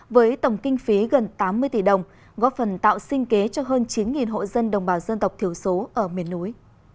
với tổng kinh phí gần tám mươi tỷ đồng góp phần tạo sinh kế cho hơn chín hộ dân đồng bào dân tộc thiểu số ở miền núi